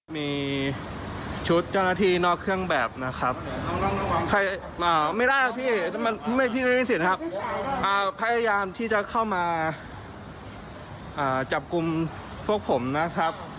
มีชุดจังหาทีนอกเครื่องแบบนะครับพยายามที่จะเข้ามาจับกลุ่มพวกผมนะครับ